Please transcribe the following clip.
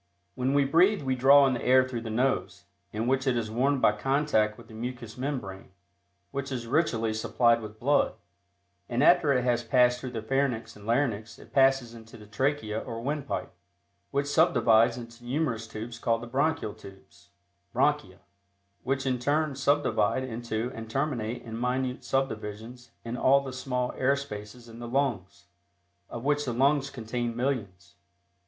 When we breathe, we draw in the air through the nose, in which it is warmed by contact with the mucous membrane, which is richly supplied with blood, and after it has passed through the pharynx and larynx it passes into the trachea or windpipe, which subdivides into numerous tubes called the bronchial tubes (bronchia), which in turn subdivide into and terminate in minute subdivisions in all the small air spaces in the lungs, of which the lungs contain millions.